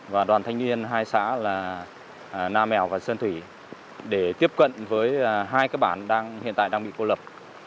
và đoàn thanh niên hai xã là nam mèo và sơn thủy để tiếp cận với hai cái bản hiện tại đang bị cô lập